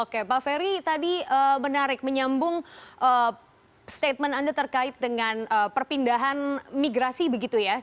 oke pak ferry tadi menarik menyambung statement anda terkait dengan perpindahan migrasi begitu ya